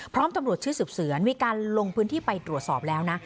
ตำรวจชื่อสืบสวนมีการลงพื้นที่ไปตรวจสอบแล้วนะ